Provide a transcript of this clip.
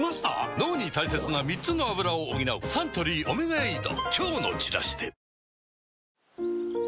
脳に大切な３つのアブラを補うサントリー「オメガエイド」